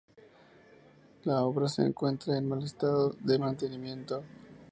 La obra se encuentra en mal estado de mantenimiento.